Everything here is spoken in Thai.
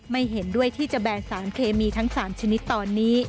ไม่เห็นด้วยที่จะแบนสารเคมีทั้ง๓ชนิดตอนนี้